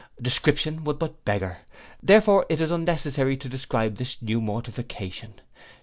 Description would but beggar, therefore it is unnecessary to describe this new mortification.